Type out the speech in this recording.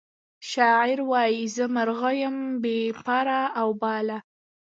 شاعر وایی زه مرغه یم بې پر او باله